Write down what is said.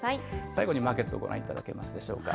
最後にマーケットをご覧いただけますでしょうか。